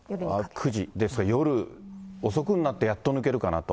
９時、ですから夜遅くになってやっと抜けるかなと。